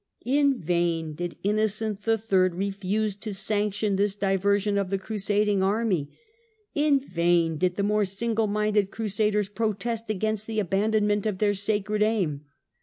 In vain did Innocent III. refuse to sanction this diversion of the crusading army ; in vain did the more single minded Crusaders protest against the abandonment of their sacred aim.